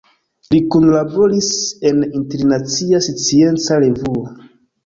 Li kunlaboris en Internacia Scienca Revuo.